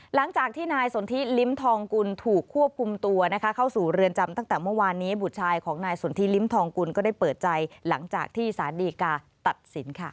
หลังจากที่นายสนทิลิ้มทองกุลถูกควบคุมตัวนะคะเข้าสู่เรือนจำตั้งแต่เมื่อวานนี้บุตรชายของนายสนทิลิ้มทองกุลก็ได้เปิดใจหลังจากที่สารดีกาตัดสินค่ะ